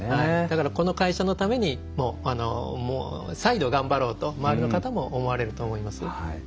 だからこの会社のために再度頑張ろうと周りの方も思われると思います。